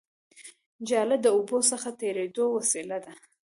جاله د اوبو څخه تېرېدو وسیله ده